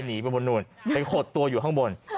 หนีไปบนนู่นไปขดตัวอยู่ข้างบน